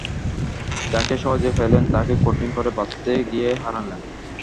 যাকে সহজে পেলেন তাকে কঠিন করে বাঁধতে গিয়েই হারালেন।